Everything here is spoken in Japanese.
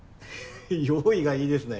用意がいいですね。